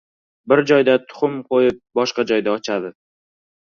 • Bir joyda tuxum qo‘yib, boshqa joyda ochadi.